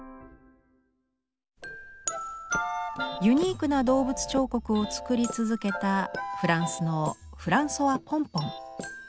ユニークな動物彫刻を作り続けたフランスのフランソワ・ポンポン。